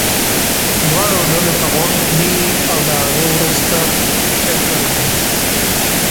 دواړو ډلو ته غوږ ږدي او له هغې وروسته پرېکړه کوي.